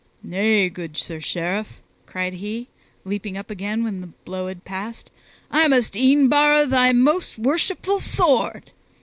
"Nay, good Sir Sheriff," cried he, leaping up again when the blow had passed, "I must e'en borrow thy most worshipful sword."